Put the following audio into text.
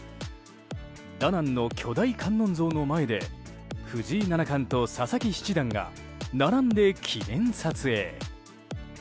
ダナンの巨大観音像の前で藤井七冠と佐々木七段が並んで記念撮影。